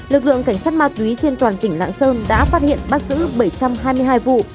lực lượng cảnh sát ma túy trên toàn tỉnh lạng sơn đã phát hiện bắt giữ bảy trăm hai mươi hai vụ